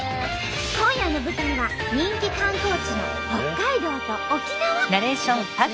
今夜の舞台は人気観光地の北海道と沖縄。